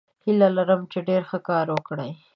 هیله لرم چې ډیر ښه کار وکړو.